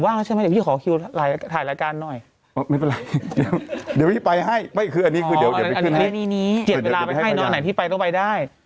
อันนี้เกียรติเวลาให้ไหนที่ไปต้องไปได้